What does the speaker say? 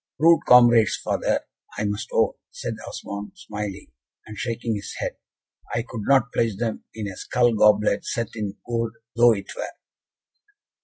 "Rude comrades, father, I must own," said Osmond, smiling, and shaking his head. "I could not pledge them in a skull goblet set in gold though it were."